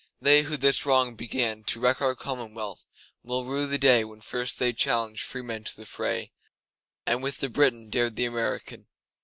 They who this wrong beganTo wreck our commonwealth, will rue the dayWhen first they challenged freemen to the fray, And with the Briton dared the American.